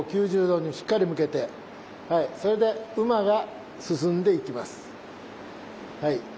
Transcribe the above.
９０度にしっかり向けてそれで馬が進んでいきます。